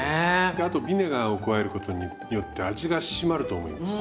あとビネガーを加えることによって味が締まると思います。